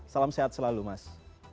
salam sehat selalu mas